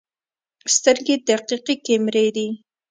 سترګې دقیق کیمرې دي.